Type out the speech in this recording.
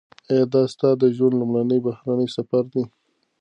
ایا دا ستا د ژوند لومړنی بهرنی سفر دی؟